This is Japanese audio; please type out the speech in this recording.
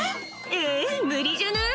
「え無理じゃない？」